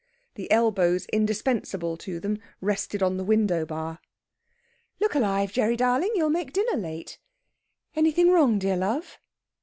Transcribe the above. The elbows indispensable to them rested on the window bar. "Look alive, Gerry darling! you'll make dinner late.... Anything wrong, dear love?"